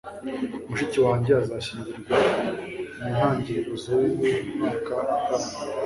Mushiki wanjye azashyingirwa mu ntangiriro z'umwaka utaha